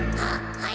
はい。